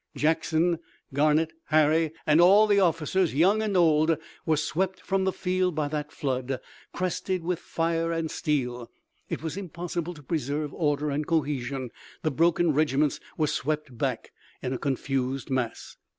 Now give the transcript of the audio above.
Jackson, Garnett, Harry and all the officers, young and old were swept from the field by that flood, crested with fire and steel. It was impossible to preserve order and cohesion. The broken regiments were swept back in a confused mass.